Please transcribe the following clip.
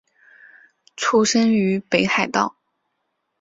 出身于北海道。